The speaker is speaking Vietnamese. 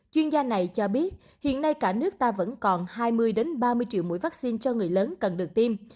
chuyên gia này cho biết hiện nay cả nước ta vẫn còn hai mươi ba mươi triệu mũi vaccine cho người lớn cần được tiêm